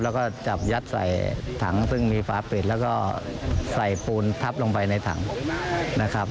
แล้วก็จับยัดใส่ถังซึ่งมีฝาปิดแล้วก็ใส่ปูนทับลงไปในถังนะครับ